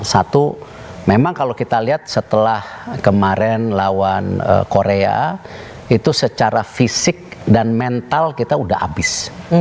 satu memang kalau kita lihat setelah kemarin lawan korea itu secara fisik dan mental kita sudah habis